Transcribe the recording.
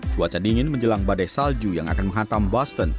cuaca dingin menjelang badai salju yang akan menghantam boston